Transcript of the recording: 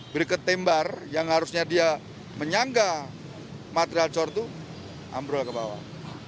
berikut tembar yang harusnya dia menyangga material cor itu ambrol ke bawah